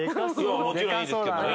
もちろんいいですけどね。